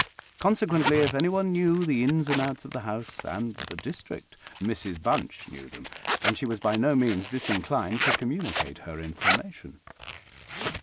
Consequently, if anyone knew the ins and outs of the house and the district, Mrs Bunch knew them; and she was by no means disinclined to communicate her information.